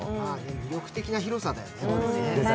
魅力的な広さだよね。